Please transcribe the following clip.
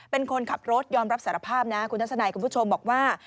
เป็นคนขับรถยอมรับสารภาพนะคุณทัศนัยคุณผู้ชมบอกว่า